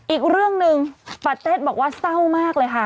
อีกเรื่องหนึ่งปาเต็ดบอกว่าเศร้ามากเลยค่ะ